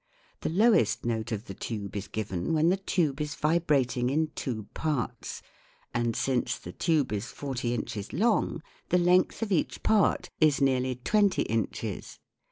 The lowest note of the tube is given when the tube is vibrating in two parts, and since the tube is forty inches long the length of each part is nearly twenty inches.